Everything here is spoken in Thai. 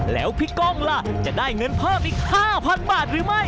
แล้วพี่ก้องล่ะจะได้เงินเพิ่มอีก๕๐๐บาทหรือไม่